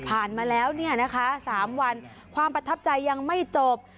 มาแล้วเนี่ยนะคะ๓วันความประทับใจยังไม่จบ